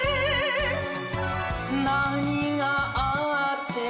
「何があっても」